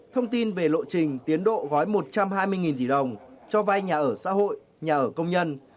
thông tin về lộ trình tiến độ gói một trăm hai mươi tỷ đồng cho vay nhà ở xã hội nhà ở công nhân